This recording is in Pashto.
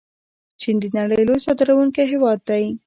چین د نړۍ لوی صادروونکی هیواد دی.